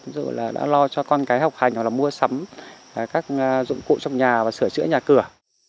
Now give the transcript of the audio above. ví dụ là đã lo cho con cái học hành hoặc là mua sắm các dụng cụ trong nhà và sửa chữa nhà cửa